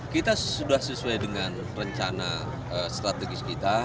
kita sudah sesuai dengan rencana strategis kita